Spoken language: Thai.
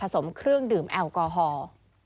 สมเครื่องดื่มแอลกอฮอล์